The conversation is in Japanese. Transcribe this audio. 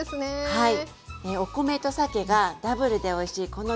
はい。